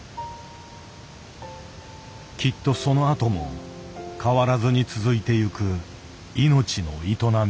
きっとそのあとも変わらずに続いてゆく命の営み。